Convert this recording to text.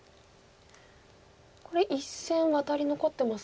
これ１線ワタリ残ってますね。